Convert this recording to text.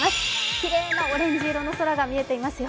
きれいなオレンジ色の空が見えていますよ。